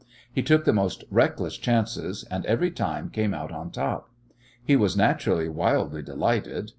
He took the most reckless chances, and every time came out on top. He was naturally wildly delighted.